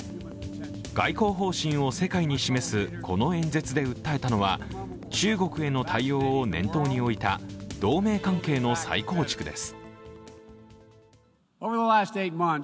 外交方針を世界に示すこの演説で訴えたのは中国への対応を念頭に置いた同盟関係の再構築です。